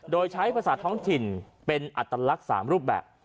โดยใช้ภาษาท้องถิ่นเป็นอัตลักษณ์๓รูปแบบ